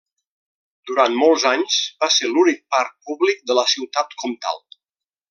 Durant molts anys va ser l'únic parc públic de la Ciutat Comtal.